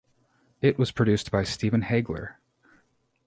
It was produced by Steven Haigler.